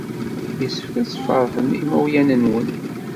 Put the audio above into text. Yessefk ad tesfeṛḥem imawlan-nwen.